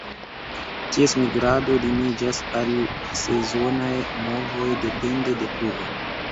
Ties migrado limiĝas al sezonaj movoj depende de pluvo.